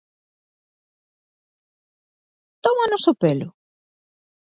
¿Tómanos o pelo?